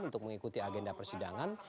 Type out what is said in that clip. untuk mengikuti agenda persidangan